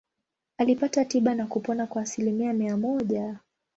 Alipata tiba na kupona kwa asilimia mia moja.